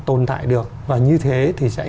tồn tại được và như thế thì sẽ